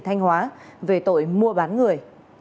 thành hóa về tội mua bán người